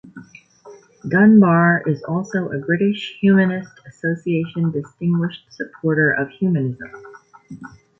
Dunbar is also a British Humanist Association Distinguished Supporter of Humanism.